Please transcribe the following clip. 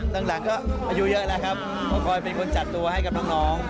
ตั้งหลังก็อายุเยอะแหละครับเพราะคอยเป็นคนจัดตัวให้กับน้อง